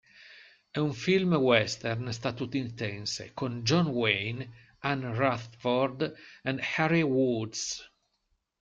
È un film western statunitense con John Wayne, Ann Rutherford e Harry Woods.